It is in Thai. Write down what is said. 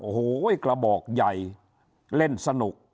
โอ้โหกระบอกใหญ่เล่นสนุก